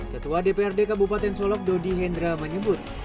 ketua dprd kabupaten solok dodi hendra menyebut